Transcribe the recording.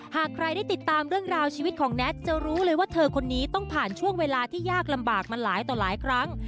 หากใครได้ติดตามเรื่องราวชีวิตของแน็ตจะรู้เลยว่าเธอคนนี้ต้องผ่านช่วงเวลาที่ยากลำบากมาหลายต่อหลายครั้ง